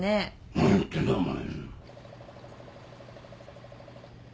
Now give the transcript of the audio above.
何言ってんだお前。